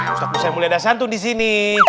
ustadz bisaimulia dasantu di sini